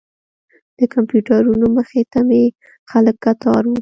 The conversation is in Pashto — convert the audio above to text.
د کمپیوټرونو مخې ته هم خلک کتار و.